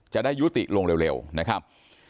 จะได้ยุติลงเร็วนะครับ